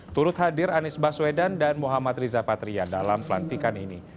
turut hadir anies baswedan dan muhammad riza patria dalam pelantikan ini